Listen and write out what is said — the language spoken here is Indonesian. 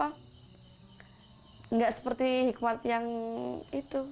saya tidak seperti hikmah yang itu